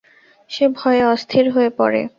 সে ভয়ে অস্থির হযে পড়ে।